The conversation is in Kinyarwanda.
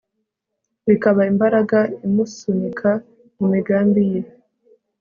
bikaba imbaraga imusunika mu migambi ye